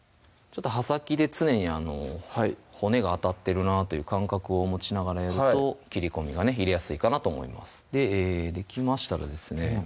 刃先で常に骨が当たってるなという感覚を持ちながらやると切り込みがね入れやすいかなと思いますできましたらですね